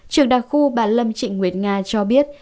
trường đặc khu bà lâm trịnh nguyệt nga cho biết